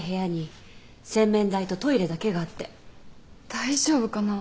大丈夫かな？